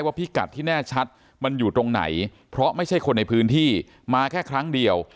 พิกัดที่แน่ชัดมันอยู่ตรงไหนเพราะไม่ใช่คนในพื้นที่มาแค่ครั้งเดียว